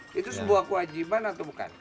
itu sebuah kewajiban atau bukan